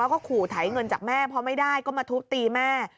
แล้วก็ขู่ไถเงินจากแม่พอไม่ได้ก็มาทุบตีแม่